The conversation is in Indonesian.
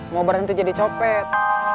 mau berhenti jadi copet